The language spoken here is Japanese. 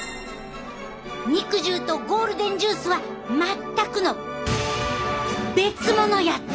肉汁とゴールデンジュースはまったくの別物やってん！